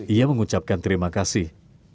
ia mengucapkan terima kasih